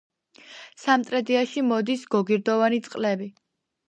სამტრედიაში მოდის გოგირდოვანი წყლები.